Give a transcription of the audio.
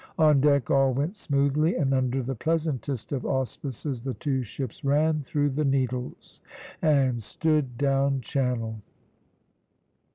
On deck all went smoothly, and under the pleasantest of auspices the two ships ran through the Needles, and stood down channel.